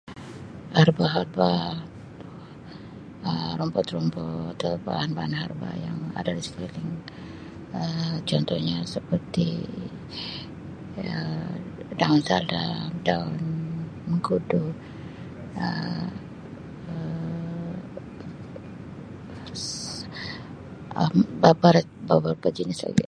Herba-herba Um rumput-rumput dan bahan-bahan herba yang ada disekeliling[Um] contohnya seperti Um daun salam ,daun mengkudu dan Um beberap-beberapa jenis lagi.